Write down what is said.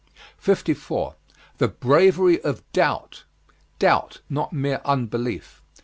54. THE BRAVERY OF DOUBT. Doubt not mere unbelief.